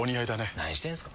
何してんすか。